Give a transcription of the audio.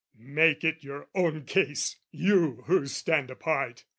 "' Make it your own case, you who stand apart!